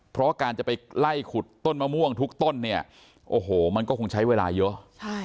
เพราะการจะไปไล่ขุดต้นมะม่วงทุกต้นเนี่ยโอ้โหมันก็คงใช้เวลาเยอะ